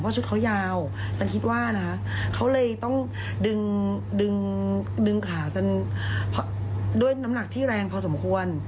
ชุดเขายาวฉันคิดว่านะคะเขาเลยต้องดึงดึงขาฉันด้วยน้ำหนักที่แรงพอสมควร